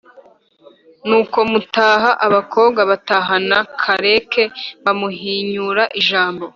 Nuko mu mataha, abakobwa batahana Karake bamuhinyura, ijambo